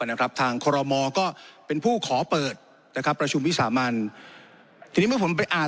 นะครับทางคอรมอก็เป็นผู้ขอเปิดนะครับประชุมวิสามันทีนี้เมื่อผมไปอ่าน